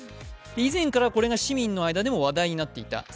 以前からこれが市民の間でも話題になっていた。